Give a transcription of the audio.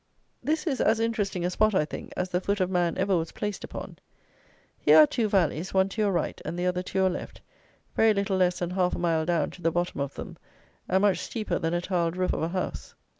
This is as interesting a spot, I think, as the foot of man ever was placed upon. Here are two valleys, one to your right and the other to your left, very little less than half a mile down to the bottom of them, and much steeper than a tiled roof of a house.